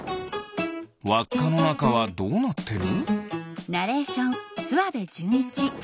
わっかのなかはどうなってる？